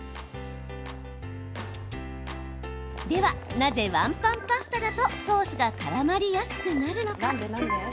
なぜワンパンパスタだとソースがからまりやすくなるのか。